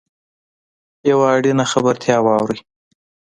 یوه اړینه خبرتیا واورﺉ .